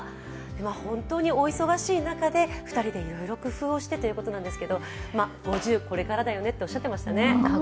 本当にお忙しい中で２人でいろいろ工夫をしてということなんですけど５０、これからだよねっておっしゃっていましたよね。